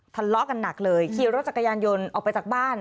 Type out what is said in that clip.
ทะเลาะกันหนักเลยขี่รถจักรยานยนต์ออกไปจากบ้าน